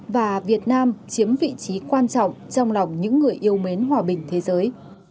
và việt nam chiếm vị trí quan trọng trong lòng những người yêu mến hòa bình thế giới